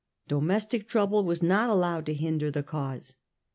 Domestic trouble was not allowed to hinder the cause.